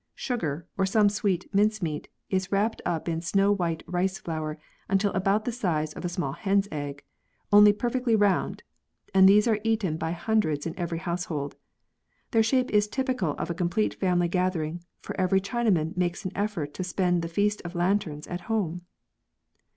Sugar, or some sweet mince meat, is wrapped up in snow white rice flour until about the size of a small hen's egg, only per fectly round, and these are eaten by hundreds in every household. Their shape is typical of a complete family gathering, for every Chinaman makes an effort to spend the Feast of Lanterns at home.